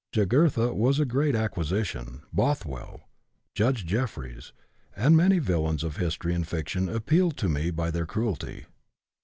Jugurtha was a great acquisition. Bothwell, Judge Jefferies, and many villains of history and fiction appealed to me by their cruelty.